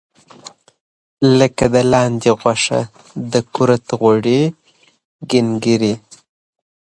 لکه د لاندې غوښه، د کورت غوړي، ګینګړي.